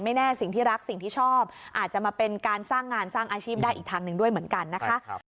แน่สิ่งที่รักสิ่งที่ชอบอาจจะมาเป็นการสร้างงานสร้างอาชีพได้อีกทางหนึ่งด้วยเหมือนกันนะคะ